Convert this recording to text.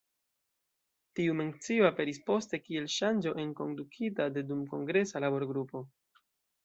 Tiu mencio aperis poste, kiel ŝanĝo enkondukita de dumkongresa laborgrupo.